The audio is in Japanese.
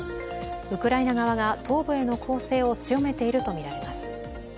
ウクライナ側が東部への攻勢を強めているとみられます。